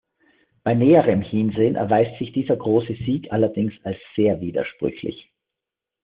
Bei näherem Hinsehen erweist sich dieser große Sieg allerdings als sehr widersprüchlich.